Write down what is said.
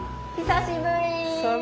久しぶり！